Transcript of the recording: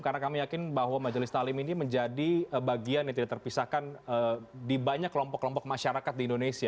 karena kami yakin bahwa majelis taklim ini menjadi bagian yang tidak terpisahkan di banyak kelompok kelompok masyarakat di indonesia